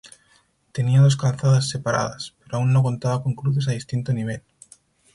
Tenía dos calzadas separadas, pero aún no contaba con cruces a distinto nivel.